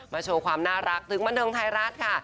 โชว์ความน่ารักถึงบันเทิงไทยรัฐค่ะ